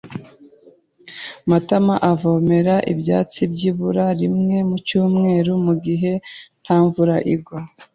Matama avomera ibyatsi byibura rimwe mu cyumweru mugihe nta mvura igwa.